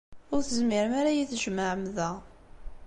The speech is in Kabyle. Ur tezmirem ara ad iyi-tjemɛem da.